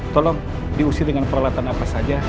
tolong diusir dengan peralatan apa saja